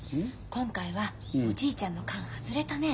今回はおじいちゃんの勘外れたね？